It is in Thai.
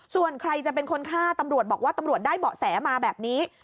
ส่วนใครจะเป็นคนฆ่าตำรวจบอกว่าตำรวจได้เบาะแสมาแบบนี้